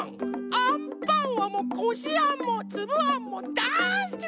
あんパンはもうこしあんもつぶあんもだいすきなのよね！